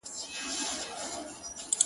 • انډیوالۍ کي احسان څۀ ته وایي ,